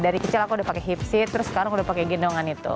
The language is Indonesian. dari kecil aku udah pake hip seat terus sekarang aku udah pake gendongan itu